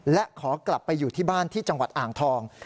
และขอกลับไปอยู่ที่บ้านที่จังหวัดอ่างทอง